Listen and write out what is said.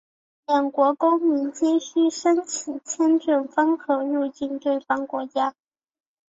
两国公民皆须申请签证方可入境对方国家。